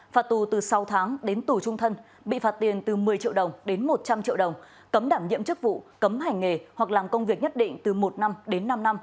phạt tù từ sáu tháng đến tù trung thân bị phạt tiền từ một mươi triệu đồng đến một trăm linh triệu đồng cấm đảm nhiệm chức vụ cấm hành nghề hoặc làm công việc nhất định từ một năm đến năm năm